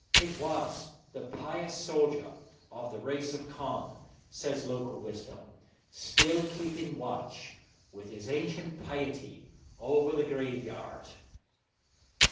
It was the ' pious soldier of the race of Con,' 156 says local wisdom, still keeping watch, Drumchff . and Rosses, with his ancient piety, over the graveyard.